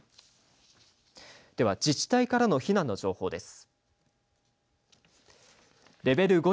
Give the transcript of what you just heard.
自治体からの避難の情報です。